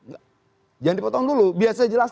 enggak jangan dipotong dulu biasanya jelas